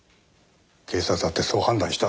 警察だってそう判断した。